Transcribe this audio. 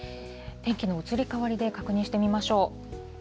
天気の移り変わりで確認してみましょう。